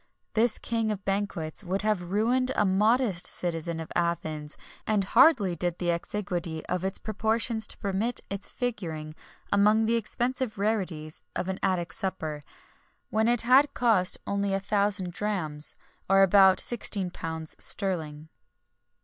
This king of banquets would have ruined a modest citizen of Athens, and hardly did the exiguity of its proportions permit its figuring among the expensive rarities of an Attic supper, when it had cost only a thousand drachms, or about £16 sterling.